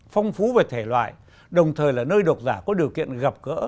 phong phú về thể loại đồng thời là nơi độc giả có điều kiện gặp gỡ